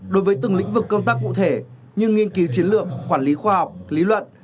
đối với từng lĩnh vực công tác cụ thể như nghiên cứu chiến lược quản lý khoa học lý luận